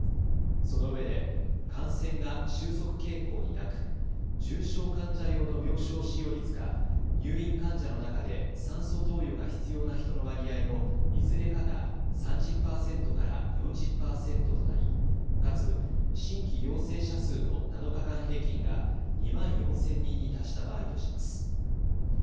そのうえで感染が収束傾向になく重症患者用の病床使用率か入院患者の中で酸素投与が必要な人の割合のいずれかが３０％から４０％となりかつ新規陽性者数の７日間平均が２万４０００人に達した場合とします。